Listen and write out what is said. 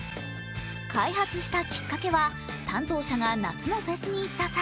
開発したきっかけは、担当者が夏のフェスに行った際、